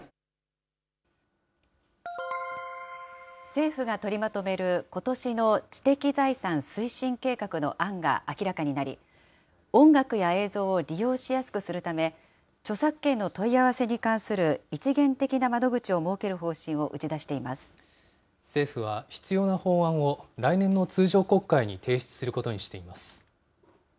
政府が取りまとめることしの知的財産推進計画の案が明らかになり、音楽や映像を利用しやすくするため、著作権の問い合わせに関する一元的な窓口を設ける方針を打ち出し政府は、必要な法案を来年の通常国会に提出することにしています。